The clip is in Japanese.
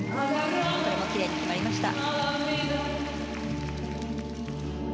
これもきれいに決まりました。